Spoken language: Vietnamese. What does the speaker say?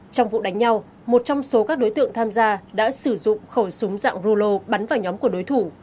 trong vụ đánh nhau một trong số các đối tượng tham gia đã sử dụng khẩu súng dạng rulo bắn vào nhóm của đối thủ